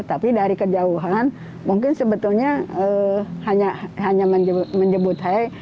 tapi dari kejauhan mungkin sebetulnya hanya menyebut hai